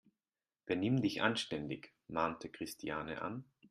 "Benimm dich anständig!", mahnte Christiane an.